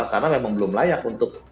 karena memang belum layak untuk